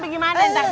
ini gimana entar